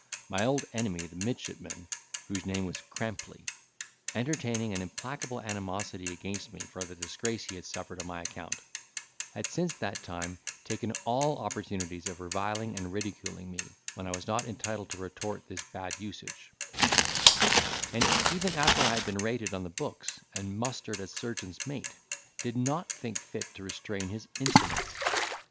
My old enemy, the midshipman (whose name was Crampley), entertaining an implacable animosity against me for the disgrace he had suffered on my account, had since that time taken all opportunities of reviling and ridiculing me, when I was not entitled to retort this bad usage; and, even after I had been rated on the books, and mustered as surgeon's mate, did not think fit to restrain his insolence.